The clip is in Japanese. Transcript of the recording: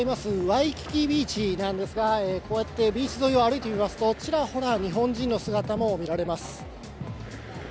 ワイキキビーチなんですが、こうやって、ビーチ沿いを歩いてみますと、ちらほら日本人の姿も見られます。